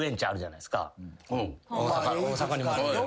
大阪にも。